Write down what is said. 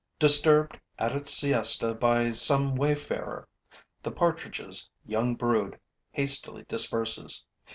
Disturbed at its siesta by some wayfarer, the partridge's young brood hastily disperses.